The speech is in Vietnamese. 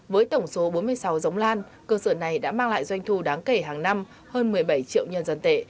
với tổng số bốn mươi sáu giống lan cơ sở này đã mang lại doanh thu đáng kể hàng năm hơn một mươi bảy triệu nhân dân tệ